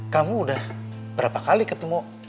kamu udah berapa kali ketemu